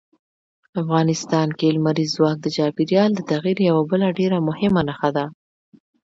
افغانستان کې لمریز ځواک د چاپېریال د تغیر یوه بله ډېره مهمه نښه ده.